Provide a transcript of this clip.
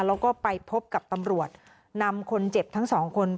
แล้วก็ไปพบกับตำรวจนำคนเจ็บทั้งสองคน